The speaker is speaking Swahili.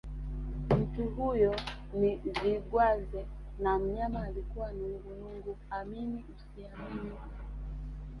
Mtu huyo ni Zigwadzee na mnyama alikuwa nungunungu amini usiamini